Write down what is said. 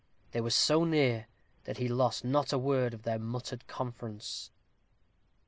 They were so near, that he lost not a word of their muttered conference.